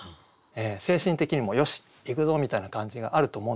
精神的にも「よしいくぞ！」みたいな感じがあると思うんですよね。